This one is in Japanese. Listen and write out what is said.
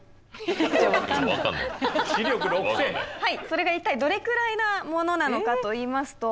それが一体どれくらいなものなのかといいますと。